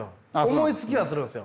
思いつきはするんですよ。